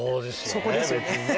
そこですよね。